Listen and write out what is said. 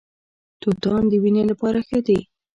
توتان د وینې لپاره ښه دي.